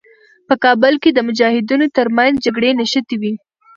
په کابل کې د مجاهدینو تر منځ جګړې نښتې وې.